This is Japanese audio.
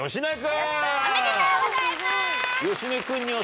やった！おめでとうございます。